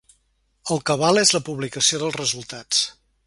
El que val és la publicació dels resultats.